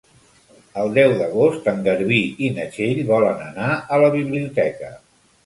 El deu d'agost en Garbí i na Txell volen anar a la biblioteca.